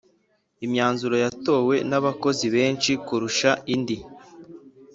Imyanzuro yatowe n’ abakozi benshi kurusha indi